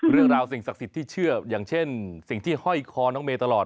เรื่องราวสิ่งศักดิ์สิทธิ์ที่เชื่ออย่างเช่นสิ่งที่ห้อยคอน้องเมย์ตลอด